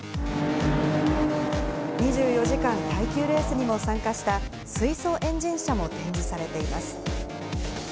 ２４時間耐久レースにも参加した水素エンジン車も展示されています。